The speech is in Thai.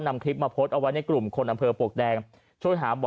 นำคลิปมาโพสต์เอาไว้ในกลุ่มคนอำเภอปลวกแดงช่วยหาบ่อ